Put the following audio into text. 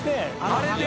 あれで？